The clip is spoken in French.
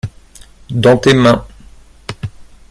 Dans tes mains.